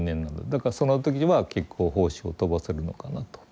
だからその時は結構胞子を飛ばせるのかなと。